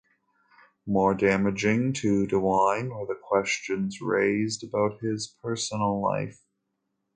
More damaging to DeWine were the questions raised about his personal life.